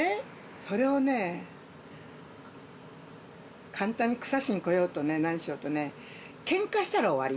それをね、簡単にくさしに来ようとね、何しようとね、けんかしたら終わり。